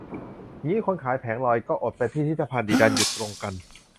งี้คนขายแผงลอย ก็อดไปพิพิธภัณฑ์ดิ ดันหยุดตรงกัน